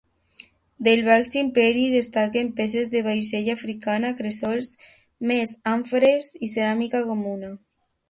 Del Baix Imperi destaquen peces de vaixella africana, cresols, més àmfores i ceràmica comuna.